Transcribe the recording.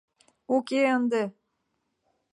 Уке ынде.